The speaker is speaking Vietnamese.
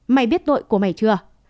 mày biết tội của mày chưa